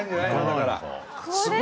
だから。